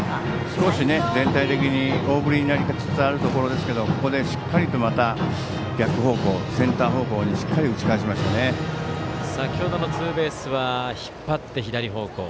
少し全体的に大振りになりつつあるところでしたけどここでしっかりとまた逆方向センター方向に先程のツーベースは引っ張って左方向。